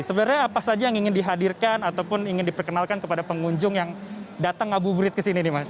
sebenarnya apa saja yang ingin dihadirkan ataupun ingin diperkenalkan kepada pengunjung yang datang ngabuburit kesini nih mas